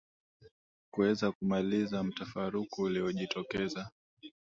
kuweza kumaliza mtafaruku uliojitokeza